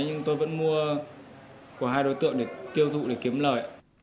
nhưng tôi vẫn mua của hai đối tượng để tiêu thụ để kiếm lời